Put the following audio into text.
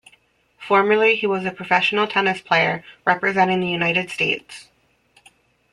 Formerly he was a professional tennis player representing the United States.